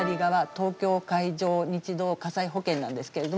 東京海上日動火災保険なんですけれども。